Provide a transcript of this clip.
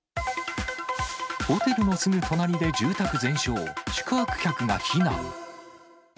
ホテルのすぐ隣で住宅全焼、宿泊客が避難。